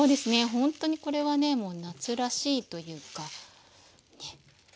ほんとにこれはねもう夏らしいというかね。